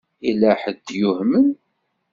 Yella ḥedd yuhmen?